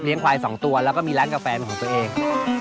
เลี้ยงควายสองตัวแล้วก็มีแรงกาแฟหนึ่งของตัวเอง